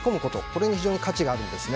これに非常に価値があるんです。